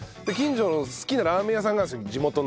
近所の好きなラーメン屋さんがあるんですよ